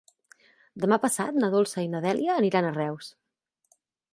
Demà passat na Dolça i na Dèlia aniran a Reus.